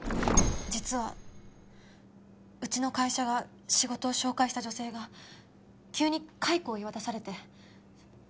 実はうちの会社が仕事を紹介した女性が急に解雇を言い渡されて。